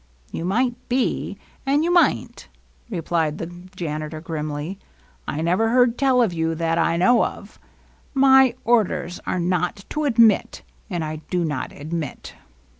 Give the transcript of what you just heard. You might be, and you might n't," replied the janitor grimly. « I never heard teU of you that I know of. My orders are not to admit, and I do not admit."